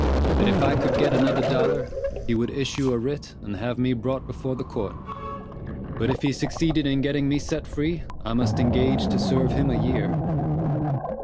That if I could get another dollar, he would issue a writ and have me brought before the court; but if he succeeded in getting me set free, I must engage to serve him a year.